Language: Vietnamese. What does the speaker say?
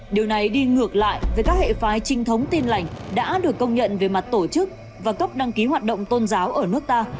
điều này đi ngược lại với các hệ phái trinh thống tin lành đã được công nhận về mặt tổ chức và cấp đăng ký hoạt động tôn giáo ở nước ta